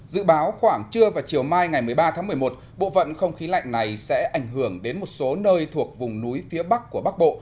dự báo khoảng trưa và chiều mai ngày một mươi ba tháng một mươi một bộ phận không khí lạnh này sẽ ảnh hưởng đến một số nơi thuộc vùng núi phía bắc của bắc bộ